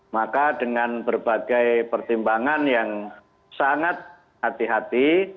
maka dengan berbagai pertimbangan yang sangat hati hati